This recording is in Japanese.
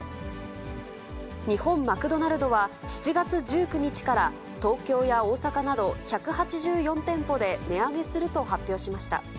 日本マクドナルドは、７月１９日から、東京や大阪など１８４店舗で値上げすると発表しました。